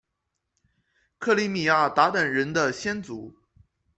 克里米亚鞑靼人的先祖？